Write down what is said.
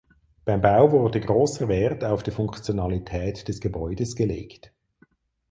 Beim Bau wurde großer Wert auf die Funktionalität des Gebäudes gelegt.